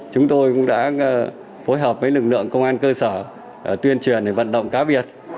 chúng tôi cũng đã phối hợp với lực lượng công an cơ sở tuyên truyền vận động cáo biệt